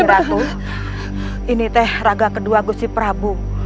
gusti ratu ini teh raga kedua gusti prabu